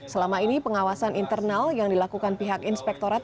selama ini pengawasan internal yang dilakukan pihak inspektorat